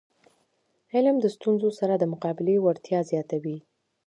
علم د ستونزو سره د مقابلي وړتیا زیاتوي.